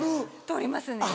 撮りますね。